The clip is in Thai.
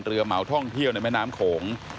เหมาท่องเที่ยวในแม่น้ำโขง